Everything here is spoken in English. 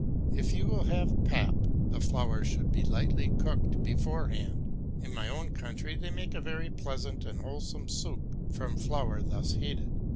If you will have pap, the flour should be lightly cooked beforehand. In my own country they make a very pleasant and wholesome soup from flour thus heated.